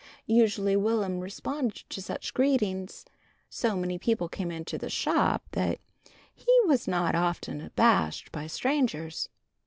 Usually Will'm responded to such greetings. So many people came into the shop that he was not often abashed by strangers.